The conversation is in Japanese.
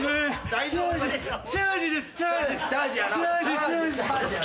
大丈夫ですから。